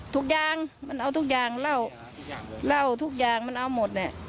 ทุกอย่างมันเอาทุกอย่างเล่าเล่าทุกอย่างมันเอาหมดเนี่ย